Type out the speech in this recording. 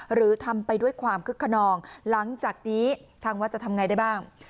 หรือทำไปด้วยความคึกขนองหลังจากนี้ทางวัดจะทำไงได้บ้าง